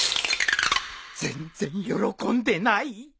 全然喜んでない？